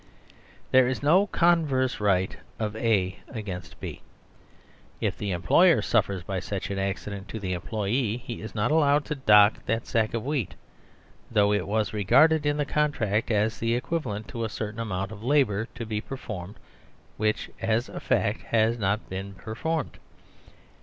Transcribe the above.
There is no converse right of A against B. If the employer suffers by suchan accident to the employee, he is not allowed to dock that sack of wheat, though it was regarded in the contract as the equivalent to a certain amount of labour to be performed which, as a fact, has not been performed.